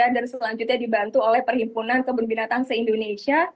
dan selanjutnya dibantu oleh perhimpunan kebun binatang se indonesia